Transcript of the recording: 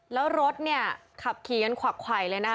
แล้วรถเนี่ยขับขี่กันขวักไขวเลยนะคะ